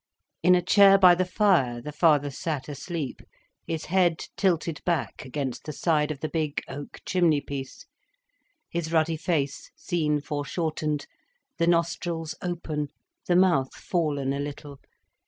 In a chair by the fire, the father sat asleep, his head tilted back against the side of the big oak chimney piece, his ruddy face seen foreshortened, the nostrils open, the mouth fallen a little.